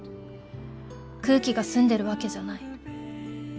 空気が澄んでるわけじゃない。